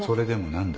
何だ？